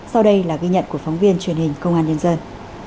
sau đây là ghi nhận của phóng viên truyền hình công an nhân dân